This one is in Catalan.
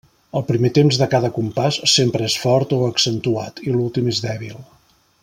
El primer temps de cada compàs sempre és fort o accentuat, i l'últim és dèbil.